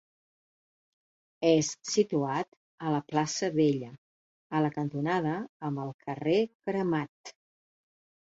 És situat a la plaça Vella, a la cantonada amb el carrer Cremat.